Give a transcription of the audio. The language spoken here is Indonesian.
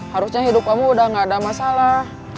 harusnya hidup kamu udah gak ada masalah